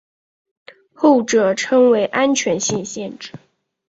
后者称为安全性限制。